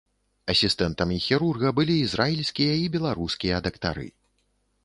Асістэнтамі хірурга былі ізраільскія і беларускія дактары.